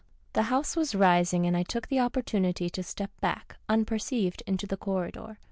" The house was rising and I took the opportunity to step back, unperceived, into the corridor.